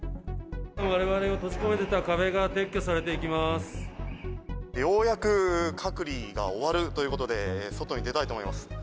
われわれを閉じ込めてた壁がようやく隔離が終わるということで、外に出たいと思います。